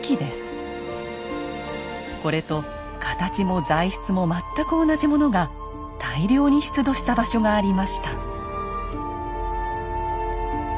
これと形も材質も全く同じものが大量に出土した場所がありました。